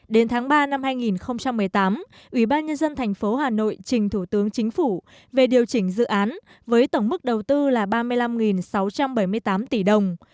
đến tháng ba năm hai nghìn một mươi tám ủy ban nhân dân thành phố hà nội trình thủ tướng chính phủ về điều chỉnh dự án với tổng mức đầu tư là ba mươi năm sáu trăm bảy mươi tám tỷ đồng